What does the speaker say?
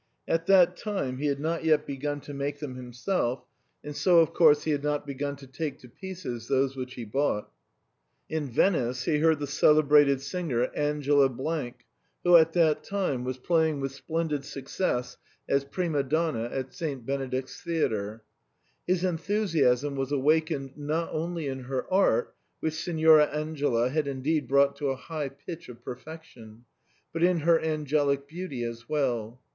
At that time he had not yet begun to 22 THE CREMONA VIOLIN. make them himself, and so of course he had not begun to take to pieces those which he bought. In Venice he heard the celebrated singer Angela i, who' at that time was playing with splendid success as prima donna at St. Benedict's Theatre. His enthusiasm was awakened, not only in her art — which Signora Angela had indeed brought to a high pitch of perfection — but in her angelic beauty as well.